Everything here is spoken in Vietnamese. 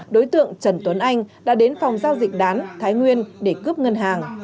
đối tượng trần tuấn anh đã đến phòng giao dịch đán thái nguyên để cướp ngân hàng